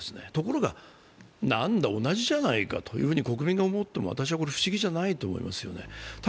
ところが、なんだ同じじゃないかと国民が思っても、私は不思議じゃないと思いますよね。